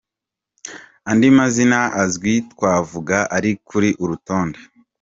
Andi mazina azwi twavuga ari kuri uru rutonde.